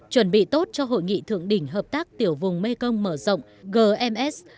chuẩn bị tốt cho hội nghị thượng đỉnh hợp tác tiểu vùng mê công mở rộng gms